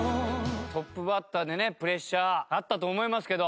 トップバッターでねプレッシャーあったと思いますけど。